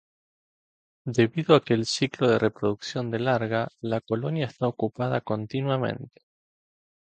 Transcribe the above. Debido a que el ciclo de reproducción de larga, la colonia está ocupada continuamente.